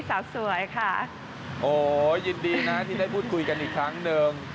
โอ้โหยินดีนะที่ได้เปิดคุยกันอีกครั้งนึง